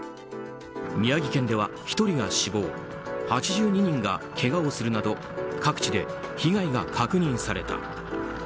宮城県では１人が死亡８２人がけがをするなど各地で被害が確認された。